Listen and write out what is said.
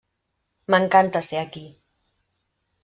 M'encanta ser aquí.